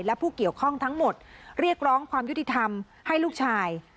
และผู้เกี่ยวข้องทั้งหมดเรียกร้องความยุติธรรมให้ลูกชาย